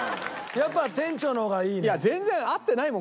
やっぱ店長の方がいいね。